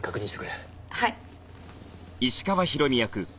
はい。